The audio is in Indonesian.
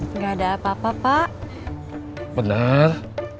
enggak ada apa apa pak bener